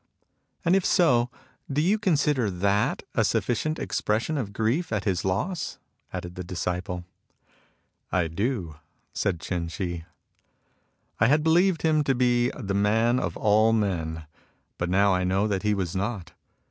And if so, do you consider that a sufficient expression of grief at his loss ?" added the disciple. "I do," said Ch'in Shih. "I had believed him to be the man of all men, but now I know that he was not.